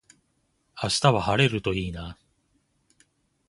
明日は晴れるといいな。